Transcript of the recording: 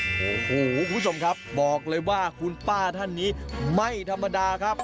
โอ้โหคุณผู้ชมครับบอกเลยว่าคุณป้าท่านนี้ไม่ธรรมดาครับ